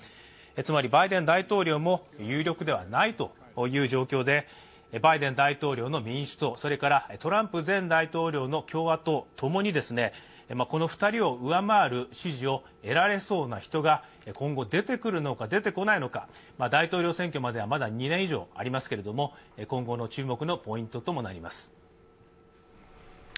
つまりバイデン大統領も有力ではないという状況で、バイデン大統領の民主党トランプ前大統領の共和党ともにこの２人を上回る支持を得られそうな人が今後出てくるのか出てこないのか大統領選挙まではまだ２年以上ありますが、今後の注目のポイントともなります。